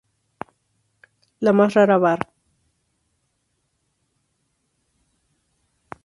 La más rara, var.